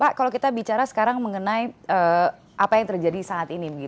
pak kalau kita bicara sekarang mengenai apa yang terjadi saat ini